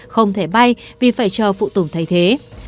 không thể bay vì phải chờ phụ tùng thay thế